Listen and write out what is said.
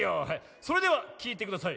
それではきいてください